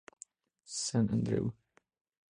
San Andreu.